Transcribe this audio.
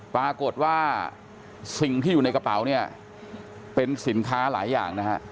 ปรากฏว่าสิ่งที่อยู่ในกระเป๋าเนี่ยเป็นสินค้าหลายอย่างนะฮะ